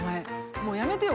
もうやめてよ